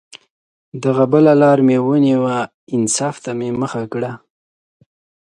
دغه بله لار مې ونیوه، انصاف ته مې کړه مخه